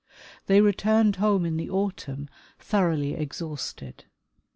They returned home in the autumn, thoroughly exhausted.